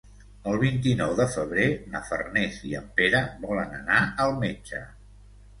El vint-i-nou de febrer na Farners i en Pere volen anar al metge.